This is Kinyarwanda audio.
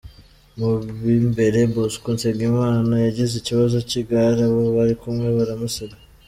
Mu b’imbere, Bosco Nsengimana yagize ikibazo cy’igare, abo bari kumwe baramusiga.